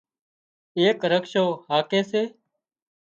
ايڪ رڪشو هاڪي سي